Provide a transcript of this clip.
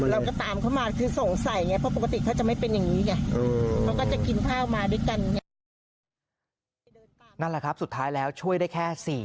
นั่นแหละครับสุดท้ายแล้วช่วยได้แค่๔